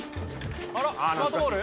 あらスマートボール？